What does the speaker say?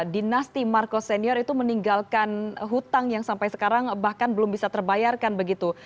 dinasti marcos senior itu meninggalkan hutang yang sampai sekarang bahkan belum bisa terbayarkan begitu